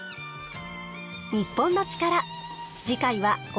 『日本のチカラ』次回は大分県。